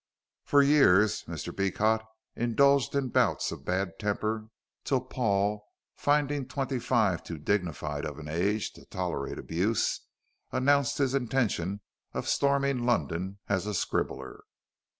For years Mr. Beecot indulged in bouts of bad temper, till Paul, finding twenty five too dignified an age to tolerate abuse, announced his intention of storming London as a scribbler.